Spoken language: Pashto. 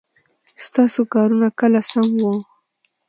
ستاسو کارونه کله سم وه ؟